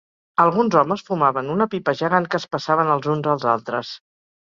Alguns homes fumaven una pipa gegant que es passaven els uns als altres.